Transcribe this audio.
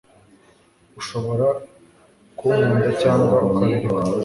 ushobora ku nkunda cyangwa ukabireka